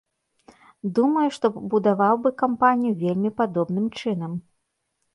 Думаю, што будаваў бы кампанію вельмі падобным чынам.